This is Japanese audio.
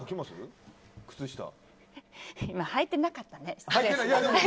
はいてなかったね。